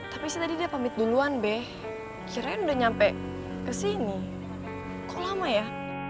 tapi istri tadi udah pamit duluan be kirain udah nyampe kesini kok lama ya